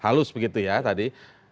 halus begitu ya tadi